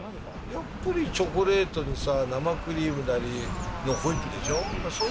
やっぱりチョコレートに生クリームなり、ホイップでしょ。